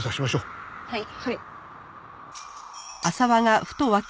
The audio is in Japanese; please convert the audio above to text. はい。